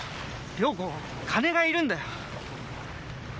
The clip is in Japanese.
遼子金がいるんだよ。